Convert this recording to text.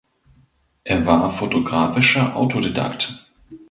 Er war fotografischer Autodidakt.